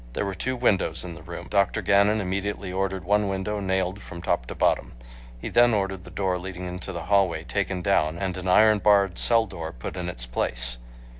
There were two windows in the room. Dr. Gannon immediately ordered one window nailed from top to bottom. He then ordered the door leading into the hallway taken down and an iron barred cell door put in its place.